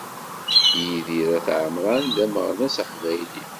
Yidir Ayt Ɛemran d ameɣnas aqbayli.